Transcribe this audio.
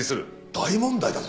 大問題だぞ。